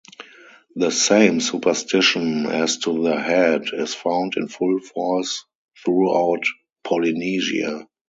The same superstition as to the head is found in full force throughout Polynesia.